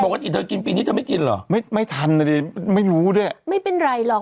อีกเธอกินปีนี้เธอไม่กินเหรอไม่ไม่ทันนะดิไม่รู้ด้วยไม่เป็นไรหรอก